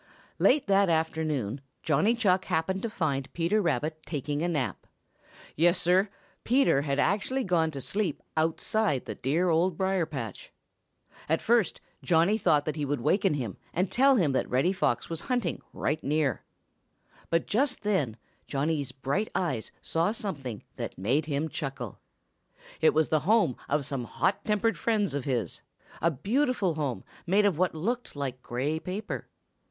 Late that afternoon Johnny Chuck happened to find Peter Rabbit taking a nap. Yes, Sir, Peter had actually gone to sleep outside the dear Old Briar patch. At first Johnny thought that he would waken him and tell him that Reddy Fox was hunting right near. But just then Johnny's bright eyes saw something that made him chuckle. It was the home of some hot tempered friends of his, a beautiful home made of what looked like gray paper.